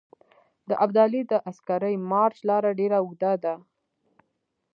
د ابدالي د عسکري مارچ لاره ډېره اوږده ده.